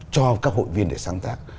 cho các hội viên để sáng tác